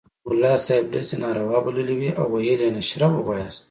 ملا صاحب ډزې ناروا بللې وې او ویل یې نشره ووایاست.